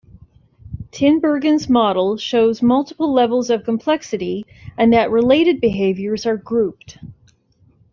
Tinbergen's model shows multiple levels of complexity and that related behaviours are grouped.